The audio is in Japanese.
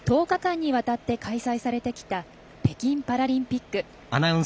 １０日間にわたって開催されてきた北京パラリンピック。